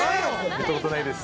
見たことないです。